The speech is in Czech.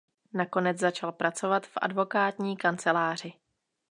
Nakonec začal pracovat v advokátní kanceláři.